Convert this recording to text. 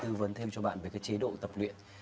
tư vấn thêm cho bạn về cái chế độ tập luyện